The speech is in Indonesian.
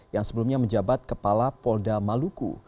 yang sebelumnya menjabat kepala polda maluku